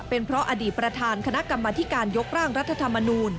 เป็นเพราะอดีตประธานคณะกรรมธิการยกร่างรัฐธรรมนูล